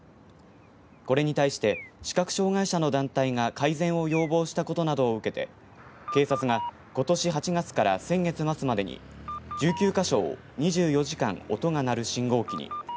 これに対して視覚障害者の団体が改善を要望したことなどを受けて警察がことし８月から先月末までに１９か所を２４時間、音が鳴る信号機に。